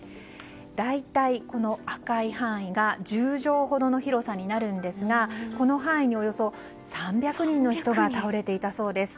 大体、赤い範囲が１０畳ほどの広さになるんですがこの範囲に３００人の人が倒れていたそうです。